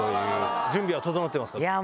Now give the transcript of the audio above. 準備は整ってますか？